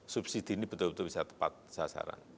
subsidi ini betul betul bisa tepat sasaran